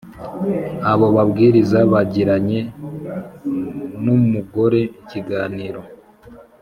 Abo babwiriza bagiranye n , mugore ikiganiro